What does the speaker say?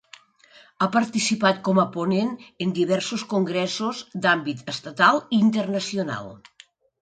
Ha participat com a ponent en diversos congressos d'àmbit estatal i internacional.